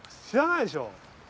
知らないでしょ？